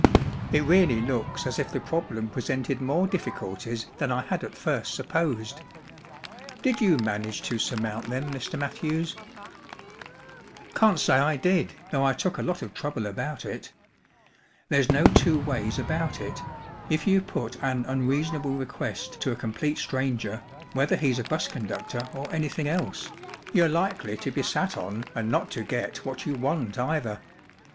Tt really looks as if the problem presented more difficulties than I had at hrst supposed. Did _ you manage to surmount them, Mr. Matthews ?"' 4 Can’t say I did, though I took a lot of trouble about it* There's no two ways about it‚ÄĒif you put an unreasonable request to a complete stranger* whether he’s a bus conductor or anything else, you’re likely to be sat on and not to get what you want either.